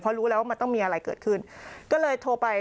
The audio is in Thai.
รู้แล้วว่ามันต้องมีอะไรเกิดขึ้นก็เลยโทรไป